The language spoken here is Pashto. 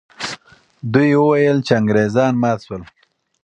دوی وویل چې انګریزان مات سول.